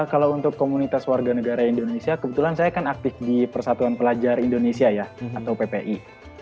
kalau untuk komunitas warga negara indonesia kebetulan saya kan aktif di persatuan pelajar indonesia ya atau ppi